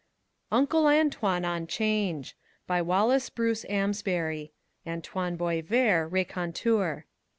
ONCL' ANTOINE ON 'CHANGE BY WALLACE BRUCE AMSBARY (_Antoine Boisvert, Raconteur.